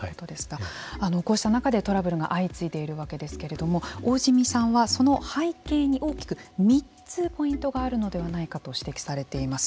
こうした中でトラブルが相次いでいるわけですけれども大慈弥さんは、その背景に大きく３つポイントがあるのではないかと指摘されています。